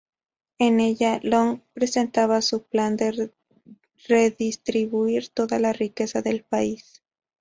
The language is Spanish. En ella, Long presentaba su plan de redistribuir toda la riqueza del país.